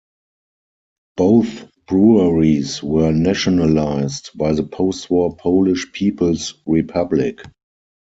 Both breweries were nationalized by the post-war Polish People's Republic.